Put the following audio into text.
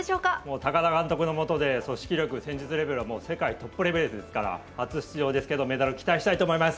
高田監督のもと組織力、戦術力は世界トップですから初出場ですがメダルを期待したいと思います。